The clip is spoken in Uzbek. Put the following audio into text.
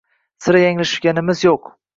Sira yanglishganimiz yo‘q.